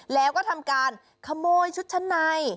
แล้วก็ทำการขโมยชุดชั้นใน